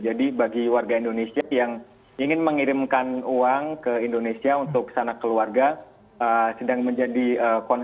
jadi bagi warga indonesia yang ingin mengirimkan uang ke indonesia untuk sana keluarga sedang menjadi concern